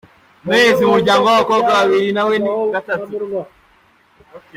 umuhererezi mu muryango wabakobwa babiri nawe wa gatatu.